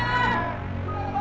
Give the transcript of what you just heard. jangan lupa pak